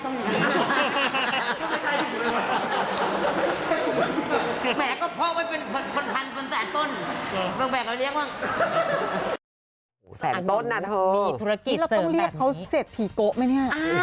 เราต้องเรียกเขาเสร็จผีโกะไหมเนี่ย